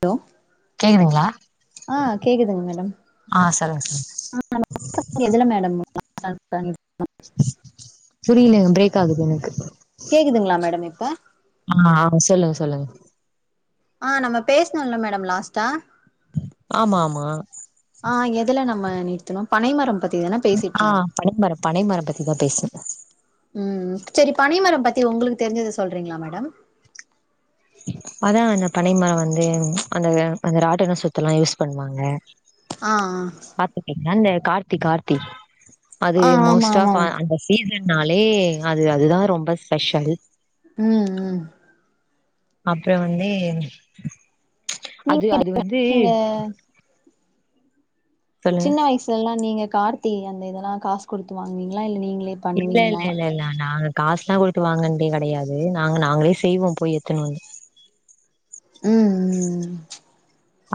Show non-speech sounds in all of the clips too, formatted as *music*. Hello கேக்குதுங்களா ஆ கேட்குதுங்க மேடம் ஆ சரிங்க ச எதுல *unintelligible* புரியலங்க பிரேக் ஆகுது எனக்கு கேக்குதுங்களா மேடம் இப்ப ஆ ஆ சொல்லுங் சொல்லுங்க ஆ நம்ம பேசனோ இல்ல மேடம் லாஸ்டா ஆமா ஆமா ஆ எதுல நம்ம நிறுத்தணோ பனைமரம் பத்தி பத்தி தான பேசிட்டு ஆ இருந்தோ பனைமரம் பனைமரம் பத்திதா பேசுங்க உம் சேரி பனைமரம் பத்தி உங்களுக்கு தெரிஞ்சத சொல்றீங்களா மேடம் அதா அந்த பனை மர வந்து அந்த அந்த ராட்டன சுத்தலா யூஸ் பண்ணுவாங்க ஆ ஆ சாப்புட்டீங்ளா இல்ல கார்த்தி கார்த்தி அது ஆ ஆமா மோஸ்ட் ஆமா ஆப் ஆஹ் அந்த சீச ன்டாலே அது அதுதா ரொம்ப ஸ்பெஷலு உம் உம் அப்ற வந்து நீ அது அது *inaudible* வந்து நீங்க சொல்லுங்க சின்ன வயசுலெல்லா நீங்க கார்த்திகை அந்த இதெல்லா காசு குடுத்து வாங்குனீங்ளா இல்ல நீங் இல்ல இல்ல இல்ல இல்ல நாங்க காசுலா குடுத்து வாங்கன்தே கெடையாது நாங்க நாங்களே செய்வோ போய் எட்த்துணுவந்து உம் உம் உம்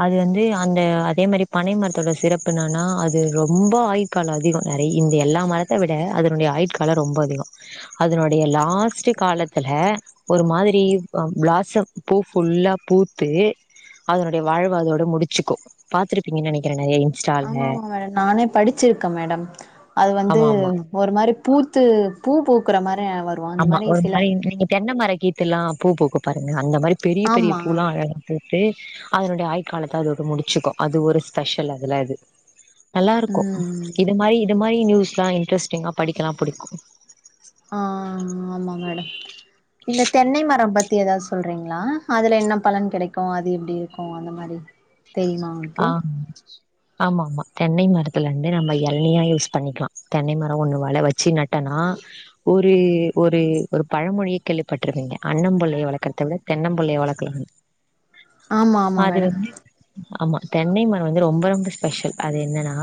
அது வந்து அந்த அதே மாரி பனை மரத்தோட சிறப்பு என்னனா அது ரொம்ப ஆயுட்கால அதிக நெறைய இந்த எல்லா மரத்த விட அதனுடைய ஆயுட்கால ரொம்ப அதிக அதனுடைய லாஸ்ட்டு காலத்துல ஒரு மாதிரி வ வாசம் பூ ஃபுல்லா பூத்து அதனோட இந்த வாழ்வ அதோட முடிச்சுக்கு பாத்திருக்றீங்கன் நெனைக்கிறேங்க இது ஆமா ஆமா மேடம் நானு படிச்சிருக்கே மேடம் அது வந்து ஆமா ஆமா ஒரு மாரி பூத்து பூ பூக்குற மாரி வ ஆமா ஒரு மாரி நீங்க தென்ன மரக் கீத்துலா பூ பூக்கு பாருங்க அ அந்த மாரி பெரிய பெரிய ஆமா. பூலா வளரட்டு போய் அதனுடைய ஆயுட்காலத்த அதோட முடிச்சுக்கு அது ஒரு ஸ்பெஷல் அதுல அது நல்லா இருக்கு ம். இது மாரி இந்த மாரி நியூஸ்லா இன்ட்ரெஸ்டிங்கா படிக்கலா புடிக்கு ஆஹ் அம் ஆமா ஆமா மேடம் இந்த தென்னை மரம் பத்தி எதாவ்து சொல்றீங்ளா அதுல என்ன பலன் கிடைக்கு அது எப்டி இருக்கு அந்த மாரி தெரியுமா உங்களுக்கு? ஆஹ் ஆமா ஆமா தென்னை மரத்துல இருந்து நம்ம எள்நியா யூஸ் பண்ணிக்லா தென்னை மர ஒன்னு வளர வச்சு நட்டனா ஊரு ஒரு ஒரு பழமொழியே கேள்விப்பட்ருக்கீங்க அண்ணம்பிள்ளய வளக்கறத விட தென்னம்பிள்ளய வளக்கலானு ஆமா ஆமா அது மேடம் வந்து ஆமா தென்னை மர வந்து ரொம்ப ரொம்ப ஸ்பெஷல் அது என்னனா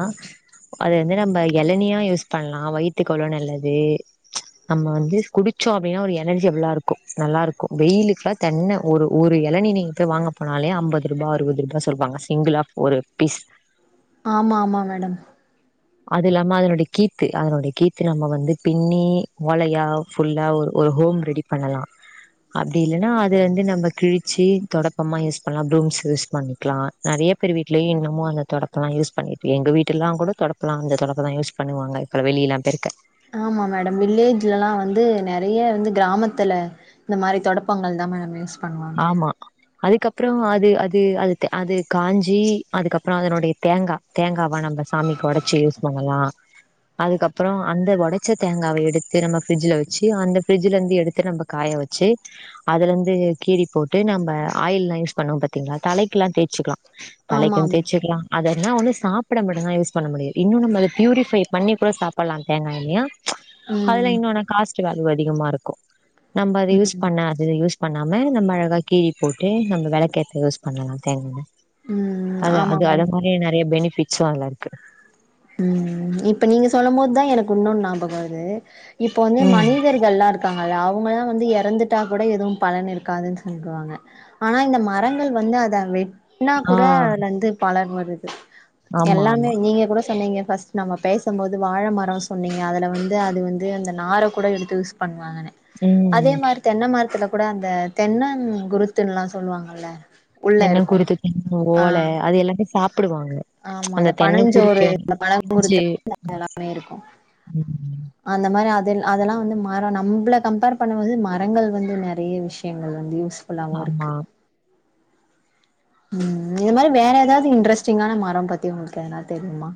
அது வந்து நம்ப எளநியா யூஸ் பண்லா வயித்துக்கு அவ்ள நல்லது நம்ம வந்து குடிச்சோ அப்டினா அது எனர்ஜி எல்லா இருக்கு நல்லா இருக்கு வெயிலுக்லா தண்ணி ஒரு ஒரு எளநி நீங்க போய் வாங்க போனாலே அம்பது ரூபா அறுவது ரூபா தா சொல்லுவாங்க சிங்கிளா ஒரு பீஸ் ஆமா ஆமா மேடம் அது இல்லனா அதோட கீத்து அதனுடைய கீத்து நம்ம வந்து பின்னி ஓலையா ஃபுல்லா ஒரு ஹோம் ரெடி பண்ணலா அப்டி இல்லனா அதுலருந்து நம்ம கிழிச்சு தொடப்பமா யூஸ் பண்லா ப்ரூம்ஸ் யூஸ் பண்ணிக்லா நெறைய பேரு வீட்லயு இன்னமு அந்த தொடப்பெல்லா யூஸ் பண்ணிட்டு எங்க வீட்லலா கூட அந்த தொடப்பந் தா யூஸ் பண்ணுவாங்க இப்ப வெளியலா பெருக்க ஆமா மேடம் வில்லேஜ்லலா வந்து நெறைய வந்து கிராமத்துல இந்த மாரி தொடப்பங்கள் தா மேடம் யூஸ் பண்ணுவாங்க அதுக்கப்ற அது அது அதுக்க அது கஞ்சி அதுக்கப்ற அதனுடைய தேங்கா தேங்காவா நம்ப சாமிக்கு ஒடச்சி யூஸ் பண்லா அதுக்கப்ற அந்த ஒடச்ச தேங்காவ எடுத்து நம்ம ஃபரிட்ஜ்ல வச்சு அந்த ஃபரிட்ஜ்லருந்து எடுத்து நம்ப காய வச்சு அதுலருந்து கீறி போட்டு நம்ம ஆயில் எல்லாம் யூஸ் பண்ணுவோம பாத்தீங்களா தலைக்குெல்லாம் தே்சிக்கலாம் ஆமா தலைக்கு ஆமா. தேயச்சுக்கலா அத என்னா ஒன்னு சாப்பிட மட்டம தா யூஸ் பண்ண முடியு இன்னு நம்ம அத பியூரிஃபை பண்ணி கூட சாப்பிடலா தேங்காய இல்லையா அதுல ம். இன்னென காஸ் வால் அதிகமா இருக்கு நம்ம அதது யூஸ் ம். பண்ண அது யூஸ் நம்ம நம்ம அழகா கீரி போட்டு நம்ம விளக்கேத்து யூஸ் பண்ணலா தேங்க ம் அ ஆமா அது அத மேடம் மாதிரி நிறைய பேனிபிட் பிஸ் வாங் கருக்கு உம் இப்ப நீங்க சொல்லும் போதுதா எனக்கு இன்னொன்னு ஞாபகம் வருது இப்போ வந்து ம் மனிதர்கள் இருக்காங்க அத அவங்களா வந்து இறந்துட்டா கூட எதுவு பலன் இருக்காதுன்னு சொல்லவாங்க ஆனா இந்த மரங்கள் வந்து அத வெ என்ன ஆ கூட அதுல இருந்து பாலர் வரு *inaudible* ஆமா எல்லாமே ஆமா நீங்க கூட சொன்னீங்க பாஸ் நம்ம பேசும்போது வாழ மரம் சொன்னீங்க அதில் வந்து அது வந்து அந்த நார கூட எடுத்து யூஸ் பண்ணுவாங்க அதே ம் மாரி தென்னா மரத்துல கூட அந்த தென்னன் குருத்துன்னல்லா சொல்லுவாங்கல்ல உள்ள தெண்ண இருக்கு குருத்து தென் ஆ ஓலை அது எல்லாமே சாப்பிடுவாங்க ஆமா அந்த தென் குருத் அந்த பழம் குருத் எல்லாமே இருக்கு ம் அந்த மாரி அத அதெல்லாம் வந்து மரம் நம்மள கம்பேர் பண்ணும்போது மரங்கள் வந்து நிறைய விஷயங்கள் வந் யூஸ் அல்லாவவும் ஆமா இருக்கு உம் இந்தது மாதிரி வேற ஏதாவது இன்ட்ரெஸ்டிங்கான மரம் பத்தி உங்களுக்கு எதாவது தெரியுமா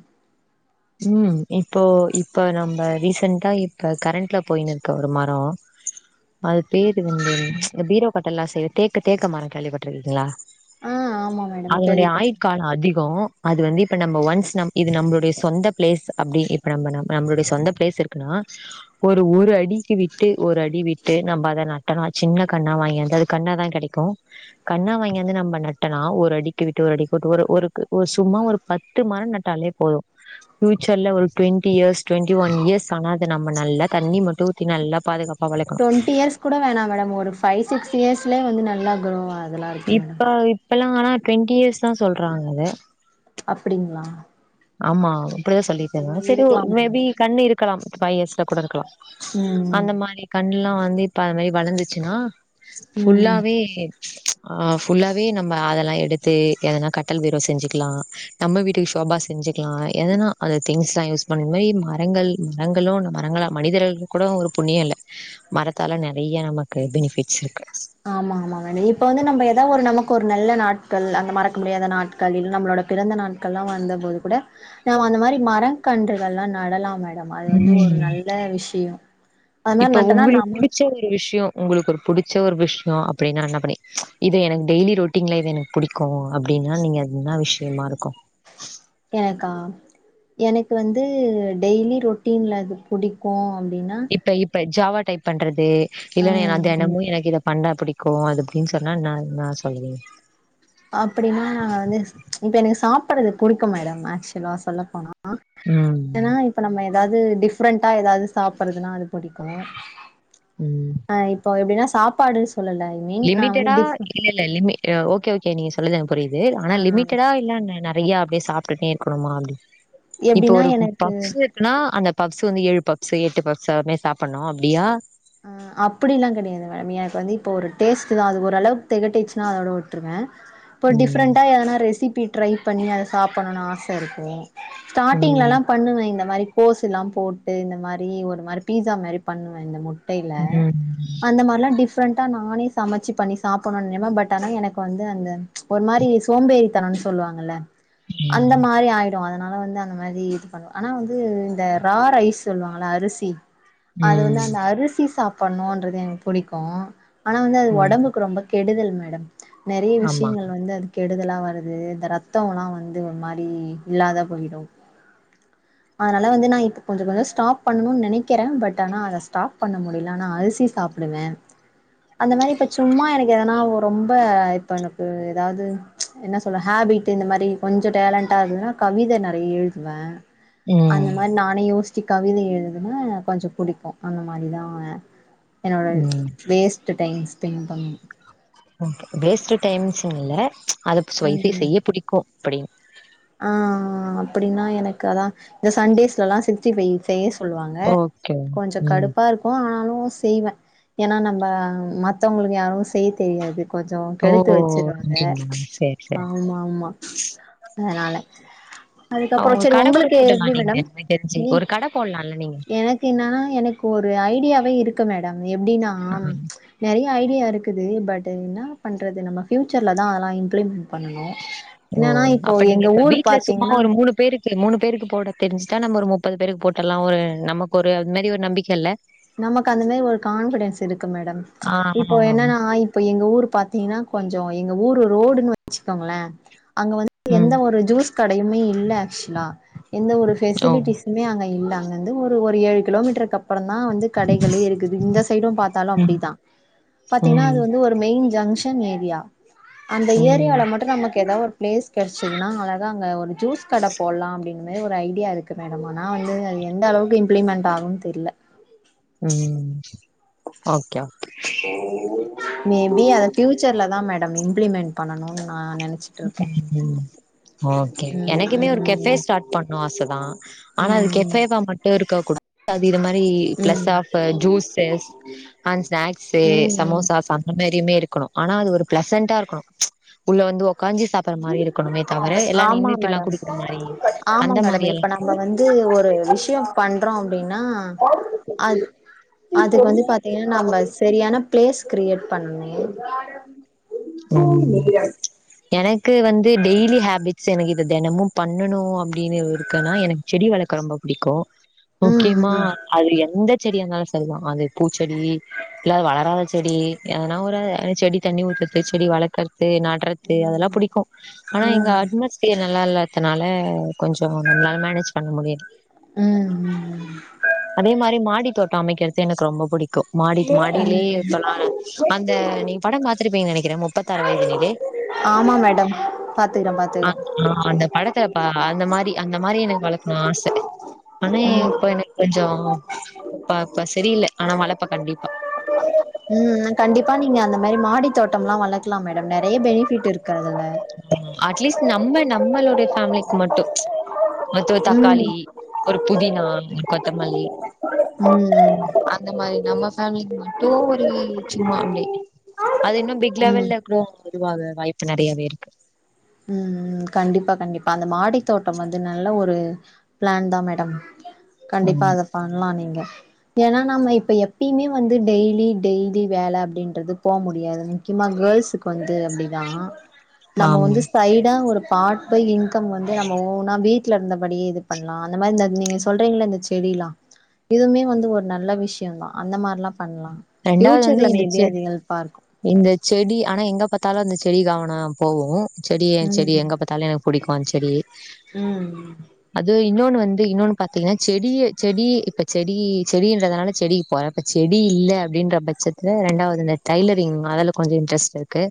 ம் இப்போ இப்ப நம்ம ரீசென்டா இப்ப கரண்ட்ல போயனு இருக்க ஒரு மரம் அது பெர்வந்து பீரோ கட்டல்லாம செய் தேக்க தேக்க மரம் கேள்விப்பட்டட்டுருக்கீங்களா ஆ ஆமா மேடம் அதனுடைய கேள்விப்பட்ருக்கே ஆயுட்காலம் அதிகோ அது வந்து இப்ப நம்ப ஒன்ஸ் நம் இது நம்பளுடைய சொந்த பிளேஸ் அப்டி இப்ப நம்ம நம் நம்மளுடைய சொந்த பிளேஸ் இருக்குன்னா ஒரு ஒரு அடிக்கு விட்டு ஒரு அடி விட்டு நம்ப அத நட்டோன்னா அது சின்ன கன்னா வாங்கியாந்து அது கன்னாதா கெடைக்கும் கன்னா வாங்கியாந்து நம்ப நட்டோன்னா ஒரு அடிக்கு விட்டு ஒரு அடிக்கு விட்டு ஒரு ஒரு ஒரு சும்மா ஒரு பத்து மரம் நட்டாலே போதும் ஃபியூச்சர்ல ஒரு twenty years twenty one years ஆனா அது நம்ம நல்லா தண்ணி மட்டும் ஊத்தி நல்லா பாதுகாப் டுவெண்டி இயர்ஸ் கூட வேணா மேடம் ஒரு ஃபைவ் சிக்ஸ் இயர்ஸ்லேயே வந்து நல்லா குரோவாகு இப்ப இப்பெல்லா ஆனா டுவெண்ட்டி இயர்ஸ் தா சொல்றாங்க அத அப்டிங்களா ஆமா அப்டிதா சொல்லிருக்காங்க அது சரி இருக்கலா மே மேடம் பி கன்னு இருக் இருக்கலாம் ஃபைவ் இயர்ஸா கூட இருக்கலா ம் அந்த மாரி கன்ல நா வந்து இப்ப அது மேரி வளந்துச்சுன்னா ம் ஃபுல்லாவே ஆ ஃபுல்லாவே நம்ப அதெல்லா எடுத்து எதுனா கட்டில் பீரோ செஞ்சுக்கலாம் நம்ம வீட்டுக்கு ஷோபா செஞ்சுக்கலாம் எதன்னா அத திங்க்ஸா யூஸ் பண்ற அது மாரி மரங்கள் மரங்களும் அந்த மரங்கள மனிதர்கள் கூடோ ஒரு புண்ணியம் இல்ல மரத்தால நெறைய நமக்கு பெனிஃபிட்ஸ் இருக்கு ஆமா ஆமா மேடம் இப்ப வந்து நம்ம ஏதா ஒரு நமக்கு ஒரு நல்ல நாட்கள் அந்த மறக்க முடியாத நாட்களில் நம்மளோட பிறந்த நாட்கள்லா வந்தபோது கூட நம்ம அந்த மாரி மரக் கன்றுகள்லா நடலாம் மேட ம் அது மாரி இப்ப நட்டனா உங்களுக்கு நாம புடிச்ச ஒரு விஷயம் உங்களுக்கு ஒரு புடிச் ச ஒரு விஷயம் அப்டின்னா என்ன பண்ணி இது எனக்கு டெய்லி ரொட்டீன்ல இது எனக்கு புடிக்கும் அப்டின்னா நீங்க அது என்ன விஷயமா இருக்கும் எனக்கா எனக்கு வந்து டெய்லி ரொட்டீன்ல அது புடிக்கும் இப்ப இப்ப ஜாவா டைப் பண்றது இல்லன்னா நா ம் தெனமும் எனக்கு இத பண்ண புடிக்கும் அது அப்டின்னு சொன்னா என்ன என்னா சொல்லுவீங்க அப்டின்னா நா வந்து இப்ப எனக்கு சாப்புட்றது புடிக்கும் மேடம் ஆக்சுவலா சொல்லப் போனா ஆ ம். ஏன்னா இப்ப நம்ம ஏதாவது டிஃப்ரெண்டா ஏதாவது சாப்புட்றதுன்னா அது புடிக்கும் ம். ஆ இப்ப எப்டின்னா *inaudible* மீன் நா வந்து லிமிட்டடா டிஃப் இல்லல்ல லிமி கே ஓகே ஓகே நீங்க சொல்றது எனக் புரியது ஆ ஆனா லிமிட்டடா இல்லன்னா நெறையா அப்டியே சாப்ட்டுட்டே இருக்கணுமா அப்டி இப்ப எப்டின்னா ஒரு எனக்கு பப்ஸு இருக்குன்னா அந்த பப்ஸு வந்து ஏழு பப்ஸு எட்டு பப்ஸ் அதுமேரி சாப்புட்ணுமா அப்டியா ஆ அப்டில்லாம் கெடையாது மேடம் எனக்கு வந்து இப்போ ஒரு டேஸ்ட்டுதா அது ஓரளவுக்கு தெகட்டுச்சுன்னா அதோட உட்டுருவ இப்போ ம். டிஃப்ரெண்டா எதனா ரெசிப்பி ட்ரை பண்ணி அத சாப்புட்ணுன்னனு ஆச இருக்கும் ம். ஸ்டார்ட்டிங்லல்லாம் பண்ணுவ இந்த மாரி கோஸ் எல்லாம் போட்டு இந்த மாரி ஒரு மாரி பீஸா மாரி பண்ணுவ இந்த முட் டையில ம் அந்த மாரிலாம் டிஃப் டிஃப்ரெண்டா நானே சமச்சு பண்ணி சாப்புட்ணும்னு நென பட் ஆனா எனக்கு வந்து அந்த ஒரு மாரி சோம்பேரித்தனம்னு சொல்லுவாங்கல்ல அந்த ம் மாரி ஆயிடும் அத அதனால வந்து அந்த மாரி இது பண்ணுவ ஆனா வந்து இந்த ரா ரைஸ் சொல்லுவாங்கல்ல அரிசி அது ம் வந்து அந்த அரிசி சாப்பணுன்றது எனக்கு பிடிக்கு ஆனா வந்து அது ம் ஒடம்புக்கு ரொம்ப கெடுதல் மேடம் நெறைய ஆமா விஷயங்கள் வந்து அது கெடு இதெல்லா வருது இந்த ரத்தோலா வந்து ஒரு மாரி இல்லாத போயிடும் அதனால வந்து நா இப்ப கொஞ்ச கொஞ்சம் ஸ்டாப் பண்ணணுன் நெனைக்கிறே பட் ஆனா அத ஸ்டா பண்ண முடியலனா அரிசி சாப்பிடுவே அந்த மாரி இப்ப சும்மா எனக்கு எதனா ரொம்ப இப்ப எனக்கு ஏதாவது என்ன சொல்ல ஹாபிட் இந்த மாரி கொஞ்சம் டேலண்ட்டா இருதுன்னா கவித நெறைய எழுதுவே அந்த ம் மாரி நானே யோசி சி கவித எழுதுனா கொஞ்சம் பிடிக்கு அந்த மாரிதா அ என்னோட ம் வேஸ்ட் டு டைம் ஸ்பென்ட் பண்ணும் வேஸ்ட் டைம்ஸ்னு இல்ல அது ம் *unintelligible* ம் செய்ய பிடிக்கும் அப்படி அப்படின்னா எனக்கு அதா இந்த சண்டேஸ்ல எல்லா சிக்ஸ்ட்டி ஃபை செய்ய சொல்லுவாங்க ஓகே கொஞ்ச ம் கடுப்பா இருக்கும் ஆனாலு செய்வே ஏனா நம்ம மத்தவங்களுக்கு யாருக்கு செய்ய தெரியாது கொஞ்சோ ஓ கெடுத்து வச்சிருவாங்க அப்டிங்களா சேரி சேரி ஆமா ஆமா நானு அதுக்கப்புறோ ஒரு சரி கட கூட உங்களுக்கு போட்டலா எப்படி நீங்க மேடம் எனக்கு தெரிஞ்சு நீ ஒரு கட போடலாம்ல நீங்க எனக்கு என்னன்னா எனக்கு ஒரு ஐ மீடியாவே இருக்கு மேடம் எப்டின்னா ஆ. நெறைய ஐடியா இருக்குது பட் என்னா பண்றது நம்ம பியூச்சர்ல தா அதெல்லா இம்ப்ளிமெண்ட் பண்ணனு என்னனா இப் இப்ப நீங்க இப்ப வீட்ல சும்மா ஒரு மூணு பேருக்கு மூணு பேருக்கு போட தெரிஞ்சுட்டா நம்ம ஒரு முப்பது பேருக்கு போட்ரலா ஒரு நமக்கு ஒரு அது மாரி ஒரு நம்பிக்க இல்ல நமக்கு அந்த மாரி ஒரு கான்ஃபிடன்ஸ் இருக்கு மேடம் ஆ இப்போ என்னனா இப்ப எங்க ஊரு பாத்திங்னா கொஞ்ச எங்க ஊரு ரோடுன்னு வெச்சுக்கோங்களே அங்க வந்து எந்த ம் ஒரு ஜூஸ் கடையுமே இல்ல ஆக்சுலா எந்த ஒரு ஓ ஃபெசிலிட்டிஸுமே அங்க இல்ல இங்கருந்து ஒரு ஒரு ஏழு கிலோமீட்டருக்கு அப்பற ந்தா வந்து கடைகளே இருக்குது இந்த சைடும் பாத்தாலு ம் அப்டிதா பாத்திங்னா அது ம் வந்து ஒரு மெயின் ஜங்ஷ ன் ஏரியா அந்த ம் ஏரியால மட்டு நமக்கு ஏதாவது ஒரு. ப்ளேஸ் கெடச்சிதுன்னா அழகா அங்க ஒரு ஜூஸ் கட போடலா அப்டின் மாரி ஒரு ஐடியா இருக்கு மேடம் ஆனா வந்து அது எந்த அளவுக்கு இம்ப்ளிமெண்ட் ஆகுன் தெர்ல ம் ஓகே மேபி அத ஃபியூச்சர்ல தா இம்ப்ளிமெண்ட் பண்ணணு ஓகே ம் எனக்குமே ஒரு கெஃபே ம் ஸ்டாட் பண்ணு ஆசதா ஆனா அது ம் கெஃபேவா மட்டு இருக்கக் கூட து இது மாரி ப்ளஸ் ம் ஆஃப ஜுசஸ் அண் ஸ்னாக்ஸே ம் சமோசாஸ் அந்த மேரியுமே இருக் க்கணு ஆனா அது ஒரு ப்ளசண்ட்டா இருக்கணு உள்ள வந்து ஒக் க்காஞ்சி சாப்பர்ற மாரி இருக் ஆமா மேடம் ஆமா அந்த மேடம் மாரி எல்லா இப்ப நம்ம வந்து ஒரு விஷயொ பண்றோ அப்டின்னா அதுக்கு வந்து பாத்தீங்கன்னா நம்ம செரியான பிளேஸ் கிரியேட். பண்ணணு எனக்கு வந்து டெய்லி ஹேபிட்ஸ் எனக்கு இத தினமு பண்ணணு அப்டின்னு இருக்குன்னா எனக்கு செடி வளர்க்க ரொம்ப பிடிக்கூ ம் ஓகேமா ம் அது எந்த. செடி இருந்தாலும் செரிதான் அது பூச்செடி, இல்லது வளராத செடி. எங்கனா ஒரு செடி தண்ணி ஊத்துறது செடி வளக்கற் றது நட்றது அதெல்லா புடிக்கு ஆனா ம் எங்க ம் அட்மோஸ்பியர். நல்லா இல்லத்தனால கொஞ்ச நம்மளால மேனேஜ் பண்ண முடியு ம் ம் அதே மாரி மாடி தோட் சமைக்கிறது எனக்கு ரொம்ப புடிக்கு. மாடிக் மாடிலே. *unintelligible* அந்த நீ படம் பாத்திருப்பீங்க நெனை. முப்பத்து ஆறு வயதினிலே ஆமா மேடம் பாத்துக்குறோ ஆ பாத்துக்குறோ அந்த படத்த. அ அந்த மாரி அந்த மாரி எனக்கு வளக்குணு ஆச ஆனா ம் இப்ப எனக்கு கொஞ்சோ பாப்ப செரியில்ல ஆனா வளப்ப கண்டிப்பா இந் மாரி மாடி தோட்டம்ல்லா வளக்குலா மேடம் நெறைய பெனிஃபிட் இருக் அட்லீஸ்ட் நம்ம நம்மளோடைய ஃபேம்லிக் மட்டு மொத்தோ ம் தக்காளி ஒரு புதினா ம் கொத்தமல்லி ம் அந்த மாரி நம்ம ஃபேமிலிக்கு மட்டு ஒரு சும்மா அப்டி அது இன்னும் பிக் ம் லெவல்ல க்ரோ பொதுவாக வாய்ப்பு நெறையாவே இருக் ம் ம் கண்டிப்பா கண்டிப்பா அந்த மாடி தோட்டம் வந்து நல்ல ஒரு பிளான் தா மேடம் கண்டிப்பா ம் அத பண்லா நீங்க ஏன்னா நம்ம இப்ப எப்பயுமே வந்து டெய்லி டெய்லி வேல அப்டின்றது போ முடியாது முக்கியமா கேரல்சுக்கு வந்து அப்பிடிதா ஆமா ஒரு பாட்பை இன்கம் வந்து நம்ம ஒன்னா வீட்டுல இருந்தபடியே இது பண்ணலா அந்த மாரி நீங்க சொல்றீங்கள இந்த செடில்லா இதுவுமே வந்து ஒரு நல்ல விஷயம் தா அந்த மாரிலா பண்லா ரெண்டாவது வந்து ஃபியூச்சர்ல இந்த மேபி அது ஹெல்ப்பா இருக்கு இந்த செடி ஆனா எங்க பாத்தாலு அந்த செடி கவன போவு செடியன் செடி எங்க பாத்தாலு என்ன புடிக்கு செடி அது உம் இன்னொன்னு வந்து இன்னொன்னு பாத்தீங்கன்னா செடிய செடி இப்ப செடி செடிரனால செடிக்கு போற இப்ப செடி இல்ல அப்ப அப்டின்ற பட்சத்துல ரெண்டாவது இந்த டைலரிங் அதுல கொஞ்சோ இன்ட்ரெஸ்ட் இருக்கு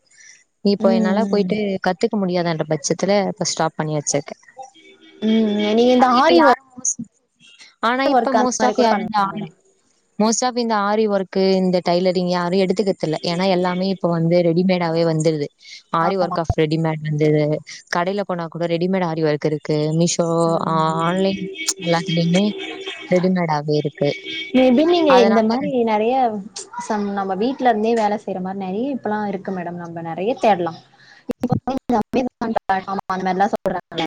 ம் இப்போ என்னால ம் போயிட்டு கத்து முடியாத என்ற பட்சத்துல ஸ்டாப் பண்ணி வெச்சிருக்க உம் நீங்க இந்த ஆரிவோர்க் மோஸ் ஆனா இப்ப மோஸ்ட் ஆப் யார் இந்த ஆன்லைன் மோஸ்ட் ஆப் இந்த ஆரி ஒர்க் க்கு இந்த டைலரிங் யாரு எடுத்துக்கிறதுல ஏன்னா எல்லாமே இப்ப வந்து ரெடிமேடாவவே வந்துடுது ஆரி ஒர்க் ஆஃப் ரெடிமேட் வந்து கடையில போனா கூட ரெடிமேட் ஆரி ஒர்க் இருக்கு இப்போ ம் ஆன்லைன் எல்லாதுளையுமே ரெடிமேடாவே இருக்கு மே பி நீங்க இந்த அதனால மாரி நெறைய சம் நம்ம வீட்டுல இருந்தே வேல செய்யற மாரி நெறையா இப்பெல்லா இருக்கு மேடம் நம்ம நெறையா தேடலா *inaudible* அந்த மாரிலா சொல்றாங்கல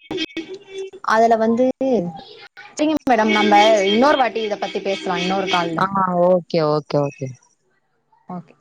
அதுல வந்து ந்து செரிங்க மேடம் நம்ப இன்னொரு வாட்டி இத பத்தி பேச ஆஹ் ஓகே ஓகே ஓகே ஓகே